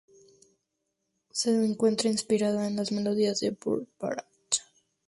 Se encuentra inspirada en las melodías de Burt Bacharach.